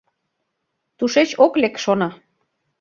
Тушеч ок лек, шона.